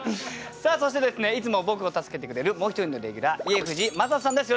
そしていつも僕を助けてくれるもう一人のレギュラー家藤正人さんです。